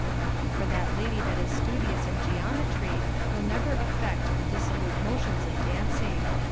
For that lady that is studious in geometry will never affect the dissolute motions of dancing.